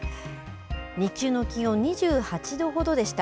日中の気温、２８度ほどでした。